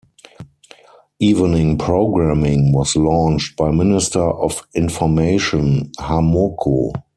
Evening programming was launched by Minister of Information Harmoko.